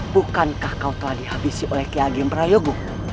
bukankah kau telah dihabisi oleh kiagem prayogo